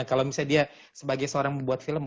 kalau misal dia sebagai seorang yang membuat film